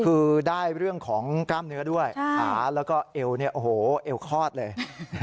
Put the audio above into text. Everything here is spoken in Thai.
คือได้เรื่องของกล้ามเนื้อด้วยขาแล้วก็เอวเนี่ยโอ้โหเอวคลอดเลย